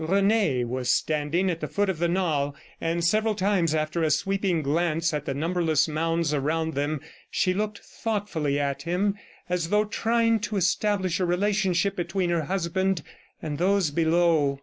Rene was standing at the foot of the knoll, and several times after a sweeping glance at the numberless mounds around them, she looked thoughtfully at him, as though trying to establish a relationship between her husband and those below.